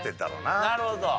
なるほど。